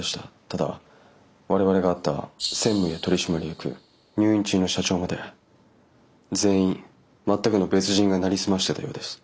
ただ我々が会った専務や取締役入院中の社長まで全員全くの別人がなりすましてたようです。